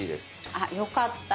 あよかった。